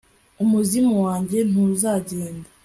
umuzimu wanjye ntuzagenda